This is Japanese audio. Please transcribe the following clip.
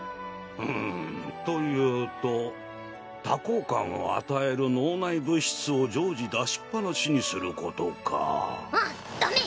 ふむというと多幸感を与える脳内物質を常時出しっぱなしにすることかあっダメ！